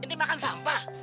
ini makan sampah